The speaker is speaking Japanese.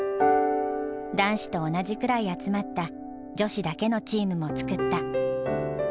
男子と同じくらい集まった女子だけのチームも作った。